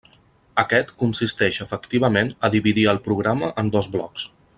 Aquest consisteix efectivament a dividir el programa en dos blocs.